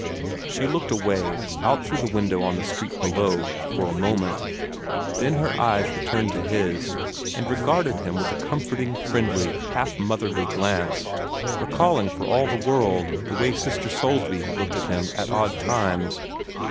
She looked away out through the window on the street below for a moment. Then her eyes returned to his, and regarded him with a comforting, friendly, half motherly glance, recalling for all the world the way Sister Soulsby had looked at him at odd times.